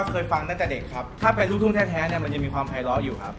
เคยฟังตั้งแต่เด็กครับถ้าเป็นลูกทุ่งแท้เนี่ยมันยังมีความภัยร้ออยู่ครับ